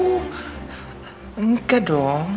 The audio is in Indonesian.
uh enggak dong